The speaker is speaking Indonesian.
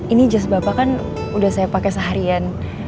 ini jas bapak kan udah saya pakai seharian